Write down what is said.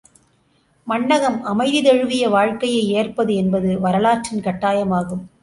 மண்ணகம் அமைதி தழுவிய வாழ்க்கையை ஏற்பது என்பது வரலாற்றின் கட்டாயமாகும்.